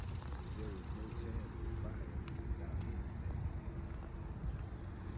There was no chance to fire without hitting him.